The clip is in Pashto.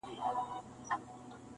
زه به مي غزل ته عاطفې د سایل واغوندم,